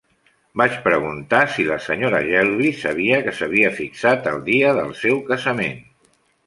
L' vaig preguntar si la Sra. Jellyby sabia que s'havia fixat el dia del seu casament.